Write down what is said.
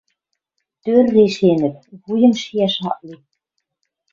Тӧр решенӹт, вуйым шиӓш ак ли